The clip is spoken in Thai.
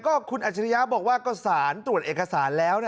ก็คุณอัจฉริยะบอกว่าก็สารตรวจเอกสารแล้ว